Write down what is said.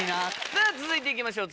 さぁ続いていきましょう。